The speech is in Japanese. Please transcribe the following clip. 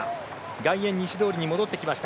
外苑西通りに戻ってきました。